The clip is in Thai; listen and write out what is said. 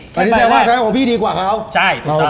แสดงว่าพี่ดีกว่าเขา